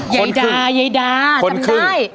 คนครึ่งคนครึ่งจำได้ใยดา